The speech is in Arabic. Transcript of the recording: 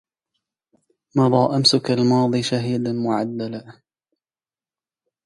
مضى أمسك الماضي شهيدا معدلا